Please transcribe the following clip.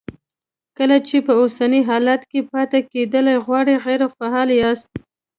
کله چې په اوسني حالت کې پاتې کېدل غواړئ غیر فعال یاست.